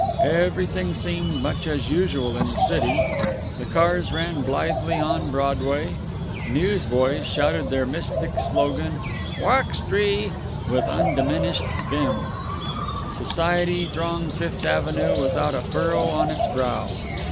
Everything seemed much as usual in the city. The cars ran blithely on Broadway. Newsboys shouted their mystic slogan, "Wuxtry!" with undiminished vim. Society thronged Fifth Avenue without a furrow on its brow.